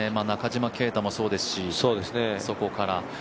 中島啓太もそうですし、そこから。